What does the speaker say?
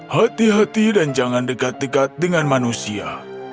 hati hati dan jangan dekat dekat dengan manusia